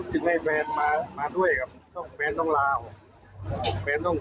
จึงให้แฟนมามาด้วยครับต้องแฟนต้องลาออกแฟนต้อง